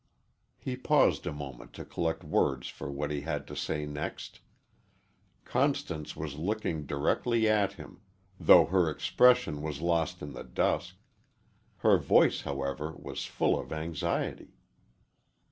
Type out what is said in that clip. He paused a moment to collect words for what he had to say next. Constance was looking directly at him, though her expression was lost in the dusk. Her voice, however, was full of anxiety.